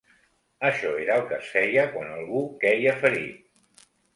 Això era el que es feia quan algú queia ferit